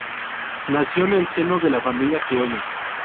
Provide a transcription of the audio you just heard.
Nació en el seno de la familia criolla.